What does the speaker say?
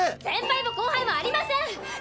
先輩も後輩もありません！